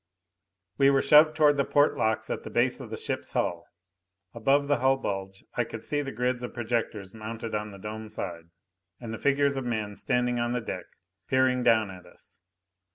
We were shoved toward the port locks at the base of the ship's hull. Above the hull bulge I could see the grids of projectors mounted on the dome side, and the figures of men standing on the deck, peering down at us.